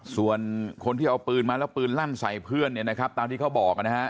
ส่วนคนที่เอาปืนมาแล้วปืนลั่นใส่เพื่อนเนี่ยนะครับตามที่เขาบอกนะฮะ